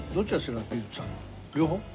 両方。